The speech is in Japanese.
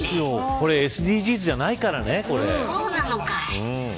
これ、ＳＤＧｓじゃないからね